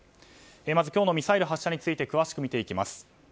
まず今日のミサイル発射について詳しく見ていきます。